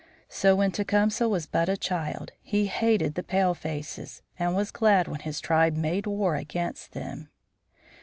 So when Tecumseh was but a child he hated the palefaces, and was glad when his tribe made war against them.